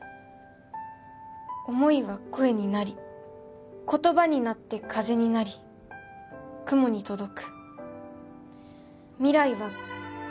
「想いは声になり」「言葉になって風になり雲に届く」「未来は」